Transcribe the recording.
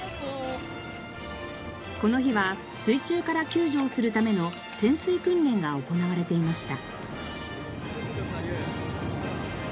この日は水中から救助をするための潜水訓練が行われていました。